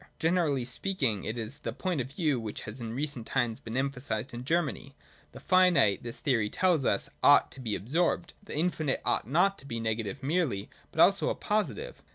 Generally speaking, it is the point of view which has in recent times been emphasised in Germany. The finite, this theory tells us, ought to be absorbed ; the infinite ought not to be a negative merely, but also a positive.